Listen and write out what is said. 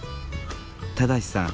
正さん